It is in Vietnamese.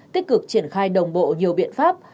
tích cực triển khai đồng bộ nhiều biện pháp